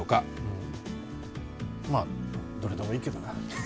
まあ、どれでもいいけどね。